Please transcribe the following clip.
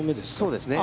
そうですね。